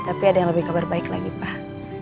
tapi ada yang lebih kabar baik lagi pak